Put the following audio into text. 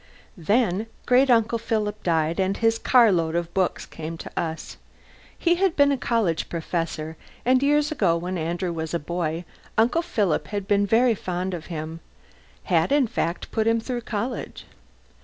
Then great uncle Philip died, and his carload of books came to us. He had been a college professor, and years ago when Andrew was a boy Uncle Philip had been very fond of him had, in fact, put him through college.